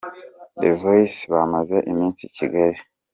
The Voice bamaze iminsi i Kigali.